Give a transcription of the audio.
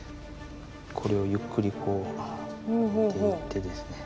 これをゆっくりこう上げていってですね